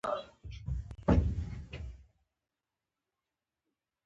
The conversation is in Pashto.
البته د څېرې ګونجوالې به یې هغه مهال لا پسې زیاتې شوې.